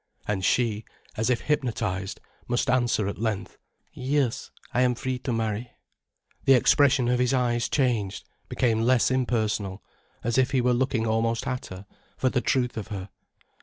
And she, as if hypnotized, must answer at length. "Yes, I am free to marry." The expression of his eyes changed, became less impersonal, as if he were looking almost at her, for the truth of her.